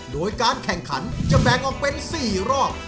โดยการแข่งขันจะแบ่งออกเป็น๔รอบ